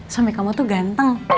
sampai kamu tuh ganteng